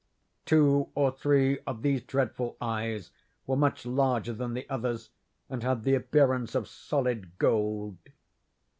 Two or three of these dreadful eyes were much larger than the others, and had the appearance of solid gold.